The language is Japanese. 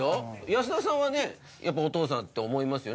安田さんはねやっぱお父さんって思いますよね